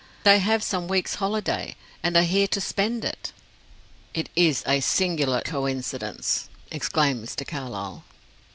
They have some weeks' holiday, and are here to spend it." "It is a singular coincidence," exclaimed Mr. Carlyle.